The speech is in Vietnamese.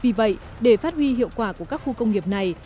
vì vậy để phát huy hiệu quả của các khu công nghiệp này